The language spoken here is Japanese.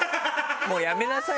もうやめなさい。